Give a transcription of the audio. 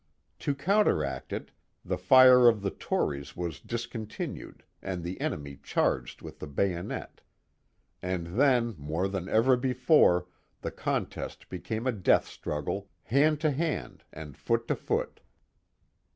To counteract it, the fire of the Tories was discontinued and the enemy charged with the bayonet; and then more than ever before the contest became a death struggle, hand to hand and foot to foot.